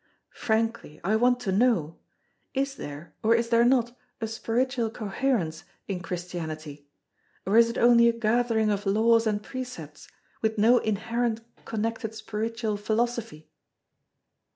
Frankly, I want to know: Is there or is there not a spiritual coherence in Christianity, or is it only a gathering of laws and precepts, with no inherent connected spiritual philosophy?"